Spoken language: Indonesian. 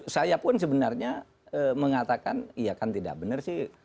saya pun sebenarnya mengatakan iya kan tidak benar sih